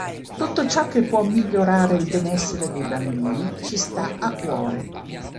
Tutto ciò che può migliorare il benessere dei bambini ci sta a cuore.